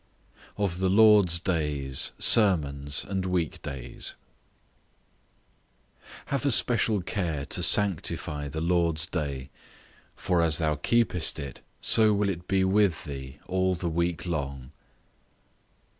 OF THE LORD'S DAYS, SERMONS, AND WEEK DAYS. Have a special care to sanctify the Lord's day; for as thou keepest it, so will it be with thee all the week long.